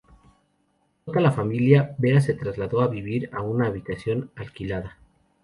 Rota la familia, Vera se trasladó a vivir a una habitación alquilada.